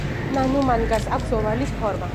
ნანუმანგას აქვს ოვალის ფორმა.